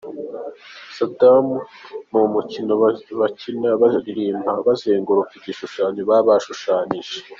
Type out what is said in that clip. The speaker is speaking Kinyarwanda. Sadamu : ni umukino bakina baririmba bazenguruka igishushanyo baba bashushanije.